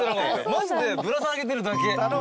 マジでぶら下げてるだけ。